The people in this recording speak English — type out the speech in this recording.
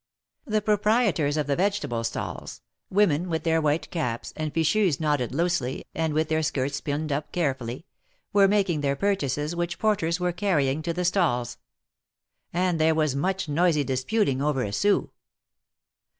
The proprietors of the vegetable stalls — women their white caps, and fichus knotted loosely, and with skirts pinned up carefully — were making their purchases, which porters were carrying to the stalls. And there was much noisy disputing over a sou.